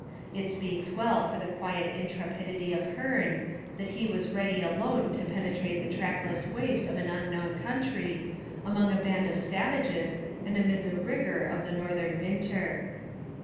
It speaks well for the quiet intrepidity of Hearne that he was ready alone to penetrate the trackless waste of an unknown country, among a band of savages and amid the rigour of the northern winter.